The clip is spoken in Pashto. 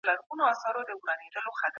د ګوند مشر څه دنده لري؟